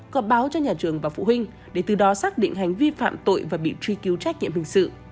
có báo cho nhà trường và phụ huynh để từ đó xác định hành vi phạm tội và bị truy cứu trách nhiệm hình sự